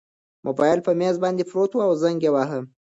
موبایل په مېز باندې پروت و او زنګ یې واهه.